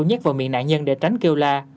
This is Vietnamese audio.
nhét vào miệng nạn nhân để tránh kêu la